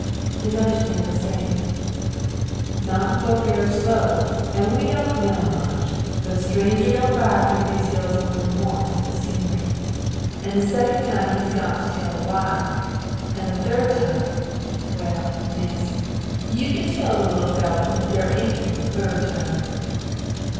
The mountaineer was saying: "Mountain folks air slow, and we don't know much, but a stranger don't ride through these hills more than once for the scenery; the second time he's got to tell why; and the third time well, Miss, you kin tell the little fella' that there ain't no third time."